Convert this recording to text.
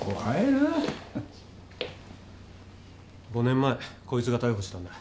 ５年前こいつが逮捕したんだ。